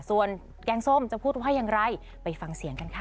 ส่วนแกงส้มจะพูดว่าอย่างไรไปฟังเสียงกันค่ะ